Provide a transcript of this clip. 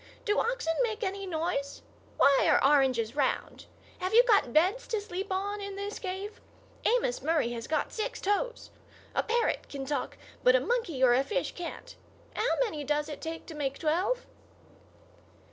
Do oxen make any noise? Why are oranges round? Have you got beds to sleep on in this cave? Amos Murray has got six toes. A parrot can talk, but a monkey or a fish can't. How many does it take to make twelve?"